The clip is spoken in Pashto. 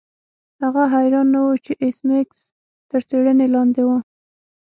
هغه حیران نه و چې ایس میکس تر څیړنې لاندې و